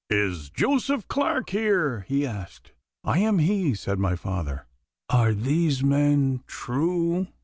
'Is Joseph Clarke here?' he asked. 'I am he,' said my father. 'Are these men true?